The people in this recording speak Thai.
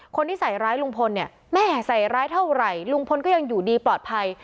คนที่ใส่ร้ายลุงพลเนี่ยแม่ใส่ร้ายเท่าไหร่ลุงพลก็ยังอยู่ดีปลอดภัย